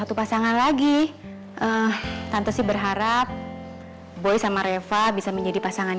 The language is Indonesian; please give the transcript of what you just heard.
aku kasih bplkan